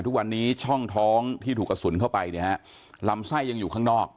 ทุกวันนี้ช่องท้องที่ถูกกระสุนเข้าไปเนี่ยฮะลำไส้ยังอยู่ข้างนอก